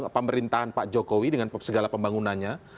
pemerintahan pak jokowi dengan segala pembangunannya